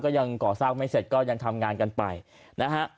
ยังก่อสร้างไม่เสร็จก็ยังทำงานกันไปนะฮะ